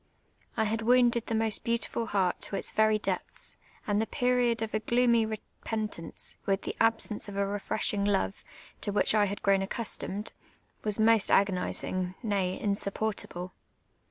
I liad wounded the most beautiful heart to its very depths ; and the period of a gloomy repentance, with the absence of a refreshing love, to which 1 had grown accustomed, was most agonising, ruiy, insupportable.